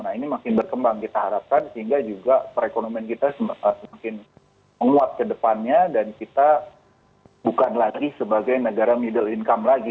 nah ini makin berkembang kita harapkan sehingga juga perekonomian kita semakin menguat ke depannya dan kita bukan lagi sebagai negara middle income lagi